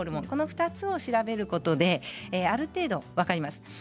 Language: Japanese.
この２つを調べることによってある程度分かります。